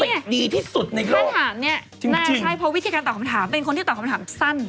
ถ้าถามเนี่ยน่าใช่เพราะวิทยาการตอบคำถามเป็นคนที่ตอบคำถามสั้น